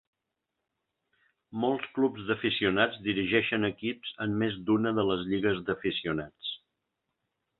Molts clubs d'aficionats dirigeixen equips en més d'una de les lligues d'aficionats.